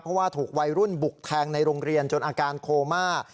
เพราะว่าถูกวัยรุ่นบุกแทงในโรงเรียนจนอาการโคม่า